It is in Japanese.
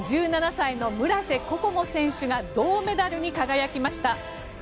１７歳の村瀬心椛選手が銅メダルに輝きました。